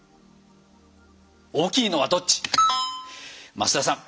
増田さん。